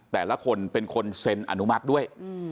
แต่ละคนเป็นคนเซ็นอนุมัติด้วย